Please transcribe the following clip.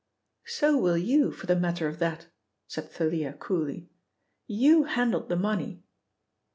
"So will you, for the matter of that," said Thalia coolly. "You handled the money."